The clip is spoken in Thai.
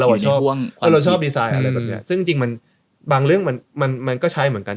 เราชอบคนเราชอบดีไซน์อะไรแบบเนี้ยซึ่งจริงมันบางเรื่องมันมันมันก็ใช้เหมือนกัน